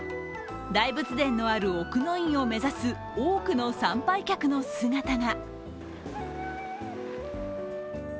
大仏殿のある奥の院を目指す多くの参拝客の姿が。